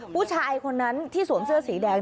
ผู้ชายคนนั้นที่สวมเสื้อสีแดง